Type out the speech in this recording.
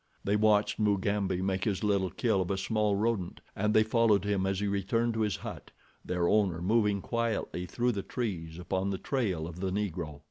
They watched Mugambi make his little kill of a small rodent, and they followed him as he returned to his hut, their owner moving quietly through the trees upon the trail of the Negro.